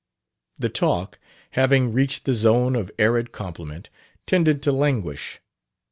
The talk, having reached the zone of arid compliment, tended to languish.